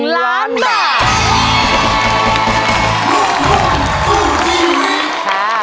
๑ล้านบาท